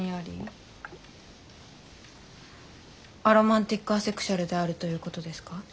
アロマンティック・アセクシュアルであるということですか？